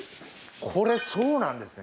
これそうなんですね